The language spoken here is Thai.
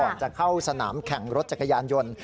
จะเข้าสนามแข่งรถจักรยานยนต์